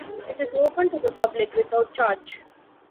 It is open to the public without charge.